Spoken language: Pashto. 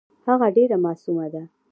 هغه ډېره معصومه ده .